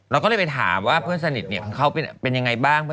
เราก็เลยไปถามว่าเพื่อนสนิทของเขาเป็นยังไงบ้าง